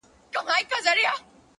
صبر د لویو هدفونو ساتونکی دی!